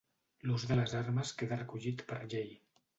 L'ús de les armes queda recollit per llei.